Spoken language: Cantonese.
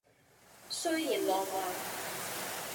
雖然浪漫